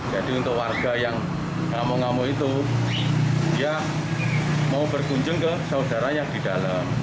jadi untuk warga yang ngamuk ngamuk itu dia mau berkunjung ke saudaranya di dalam